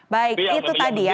baik itu tadi ya